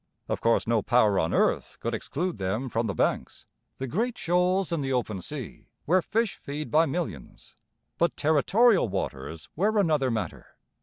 Of course no power on earth could exclude them from the Banks, the great shoals in the open sea, where fish feed by millions; but territorial waters were another matter.